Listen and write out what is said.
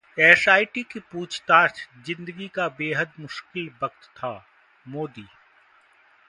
SIT की पूछताछ जिंदगी का बेहद मुश्किल वक्त था: मोदी